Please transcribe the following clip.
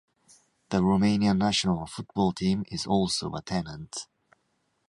The Romanian national football team is also a tenant.